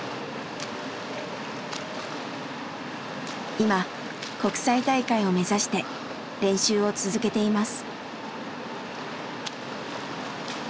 今国際大会を目指して練習を続けています。